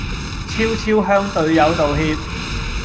俏俏向隊友道歉